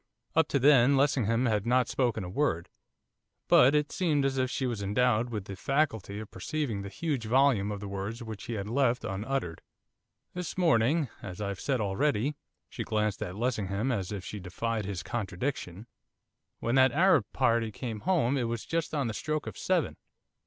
Up to then Lessingham had not spoken a word, but it seemed as if she was endowed with the faculty of perceiving the huge volume of the words which he had left unuttered. 'This morning as I've said already, ' she glanced at Lessingham as if she defied his contradiction 'when that Arab party came home it was just on the stroke of seven.